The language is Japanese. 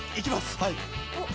はい。